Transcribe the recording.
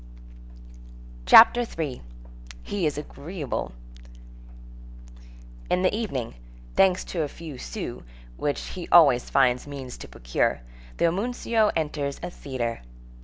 CHAPTER III—HE IS AGREEABLE In the evening, thanks to a few sous, which he always finds means to procure, the homuncio enters a theatre.